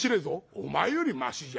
「お前よりましじゃ。